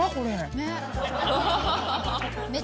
ねっ？